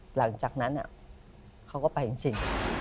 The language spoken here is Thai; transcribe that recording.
หลังจากนั้นเขาก็ไปจริง